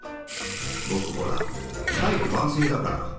ぼくほら大器晩成だから。